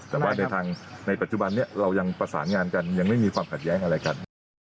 แต่ว่าในทางในปัจจุบันนี้เรายังประสานงานกันยังไม่มีความขัดแย้งอะไรกัน